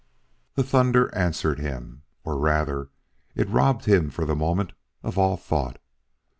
The thunder answered him, or rather it robbed him for the moment of all thought.